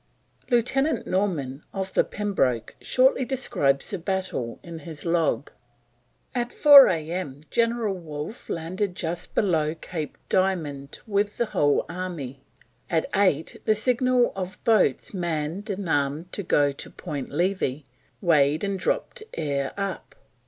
Lieutenant Norman, of the Pembroke, shortly describes the battle in his log: "At 4 A.M. General Wolfe landed just below Cape Diamond with the whole army. At 8 the signal of Boats man'd and arm'd to go to Point Levi, weighed and dropped hier up.